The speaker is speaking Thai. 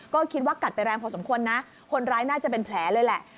ก็คิดว่ากัดไปแรงพอสมควรนะคนร้ายน่าจะเป็นแผลเลยแหละ